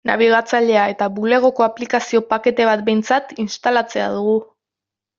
Nabigatzailea eta Bulegoko aplikazio-pakete bat behintzat instalatzea dugu.